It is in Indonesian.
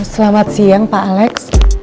selamat siang pak alex